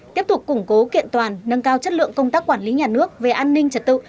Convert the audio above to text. tiếp tục củng cố kiện toàn nâng cao chất lượng công tác quản lý nhà nước về an ninh trật tự